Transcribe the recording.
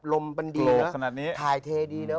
ลมมันดีเนอะถ่ายเทดีเนอะ